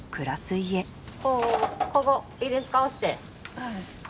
はい。